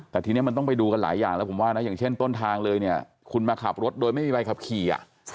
แต่ทีนี้มันต้องไปดูกับหลายอย่างเหมือนเช่นต้นทางคุณมาขับรถโดยไม่มีใบขับขี่